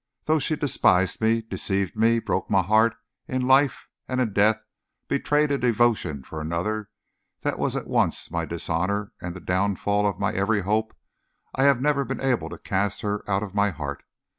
Though she despised me, deceived me, broke my heart in life, and in death betrayed a devotion for another that was at once my dishonor and the downfall of my every hope, I have never been able to cast her out of my heart.